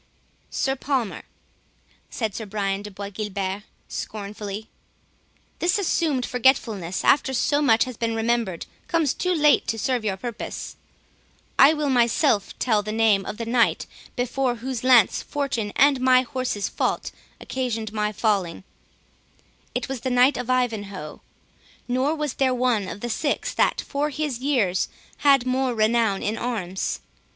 "Sir Palmer," said Sir Brian de Bois Guilbert scornfully, "this assumed forgetfulness, after so much has been remembered, comes too late to serve your purpose. I will myself tell the name of the knight before whose lance fortune and my horse's fault occasioned my falling—it was the Knight of Ivanhoe; nor was there one of the six that, for his years, had more renown in arms.